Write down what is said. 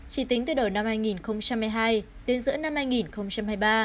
chỉ tính từ đầu năm hai nghìn hai mươi hai đến giữa năm hai nghìn hai mươi ba